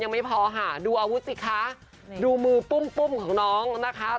ไม่มีใครรู้ว่ายุเป็นใคร